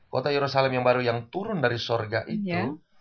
kota yerusalem yang baru yang turun dari surga itu